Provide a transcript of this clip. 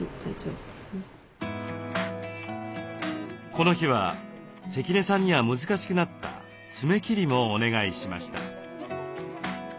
この日は関根さんには難しくなった爪切りもお願いしました。